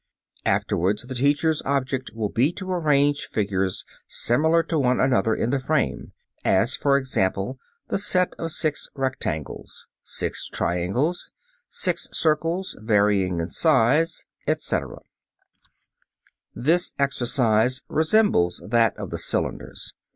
Afterwards the teacher's object will be to arrange figures similar to one another in the frame, as, for example, the set of six rectangles, six triangles, six circles, varying in size, etc. This exercise resembles that of the cylinders.